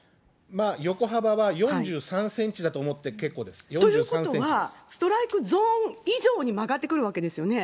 横幅は４３センチだと思って結構です。ということは、ストライクゾーン以上に曲がってくるわけですよね。